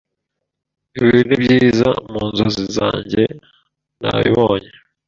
Ibintu ni byiza mu nzozi zanjye nabibonye